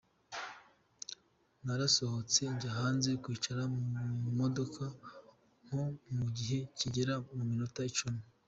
Narasohotse njya hanze kwicara mu modoka nko mu gihe kigera ku minota icumi.